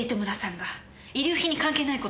遺留品に関係ない事でしょ。